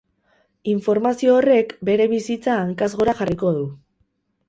Informazio horrek bere bizitza hankaz gora jarriko du.